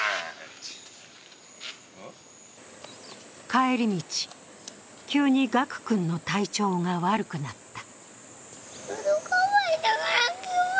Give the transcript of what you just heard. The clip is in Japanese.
帰り道、急に賀久君の体調が悪くなった。